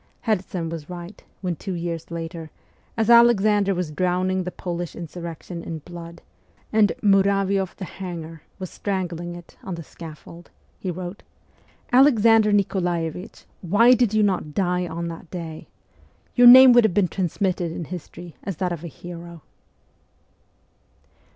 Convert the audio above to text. Herzen was right when, two years later, as Alexander was drowning the Polish insurrection in blood, and ' Muravioff the Hanger ' was strangling it on the scaffold, he wrote, ' Alexander Nikolaevich, why did you not die on that day ? Your name would have been transmitted in history as that of a hero.'